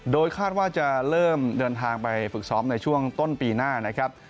โดยคาดว่าจะเริ่มเดินทางไปฝึกซ้อมในช่วงต้นปีหน้านะครับ